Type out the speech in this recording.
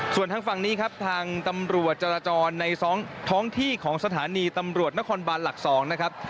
ส่วนทางฝั่งนี้ครับทางตำรวจจราจรในท้องที่ของสถานีตำรวจนครบานหลัก๒นะครับ